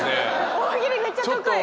大喜利めっちゃ得意。